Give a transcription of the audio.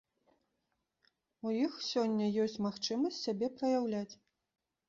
У іх сёння ёсць магчымасць сябе праяўляць.